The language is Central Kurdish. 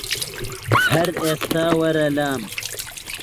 هەر ئیستا وەرە لام